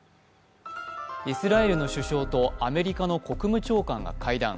イスラエルの首相とアメリカめの国務長官が会談。